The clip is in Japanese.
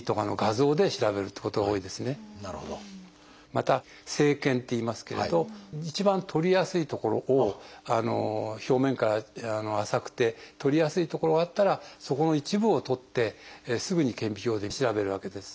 また「生検」っていいますけれど一番とりやすい所を表面から浅くてとりやすい所があったらそこの一部をとってすぐに顕微鏡で調べるわけです。